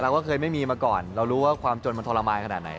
ว่าเคยไม่มีมาก่อนเรารู้ว่าความจนมันทรมานขนาดไหน